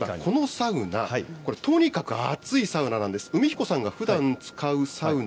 例えばこのサウナ、これ、とにかく熱いサウナなんです。